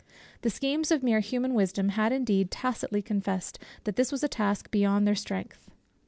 The schemes of mere human wisdom had indeed tacitly confessed, that this was a task beyond their strength.